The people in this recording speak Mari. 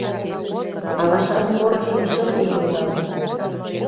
Алашан порыжым шым ужылдал.